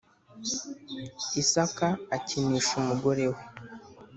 Isaka akinisha umugore we